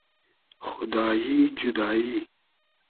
خودایی جودایی